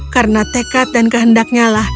karena tekad dan kehendaknya lah